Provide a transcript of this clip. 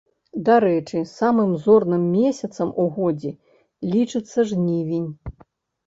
Дарэчы, самым зорным месяцам у годзе лічыцца жнівень.